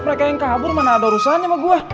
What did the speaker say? mereka yang kabur mana ada urusannya mah gua